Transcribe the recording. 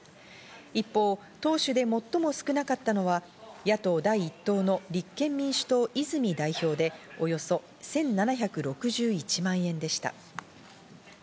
一方、党首で最も少なかったのは野党第一党の立憲民主党、泉代表でおよそ１７６１万円でした。